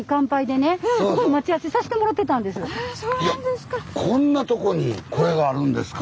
あそうなんですか！